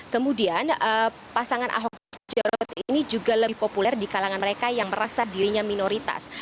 kemudian pasangan ahok jarot ini juga lebih populer di kalangan mereka yang merasa dirinya minoritas